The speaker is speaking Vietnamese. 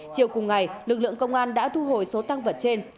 chiều cùng ngày lực lượng công an đã thu hồi số tăng vật trên